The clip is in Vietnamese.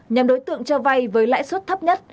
nhằm đối tượng cho vay với lãi suất thấp nhất